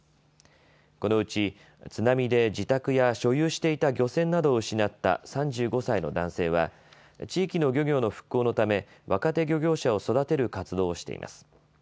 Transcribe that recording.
このうち津波で自宅や所有していた漁船などを失った３５歳の男性は地域の漁業の復興のため若手漁業者を育てる活動をしています。